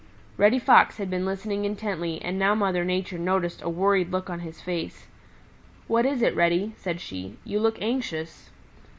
Reddy Fox had been listening intently and now Mother Nature noticed a worried look on his face. "What is it, Reddy?" said she. "You look anxious."